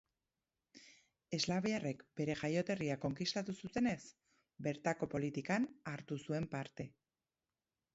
Eslaviarrek bere jaioterria konkistatu zutenez, bertako politikan hartu zuen parte.